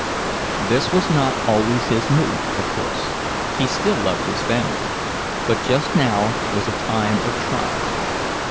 This was not always his mood, of course; he still loved his family. But just now was a time of trial.